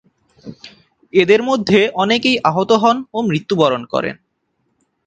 এদের মধ্যে অনেকেই আহত হন ও মৃত্যুবরণ করেন।